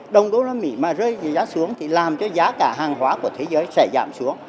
đồng đô la mỹ mà rơi giá xuống thì làm cho giá cả hàng hóa của thế giới sẽ giảm xuống